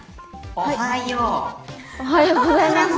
おはようございます。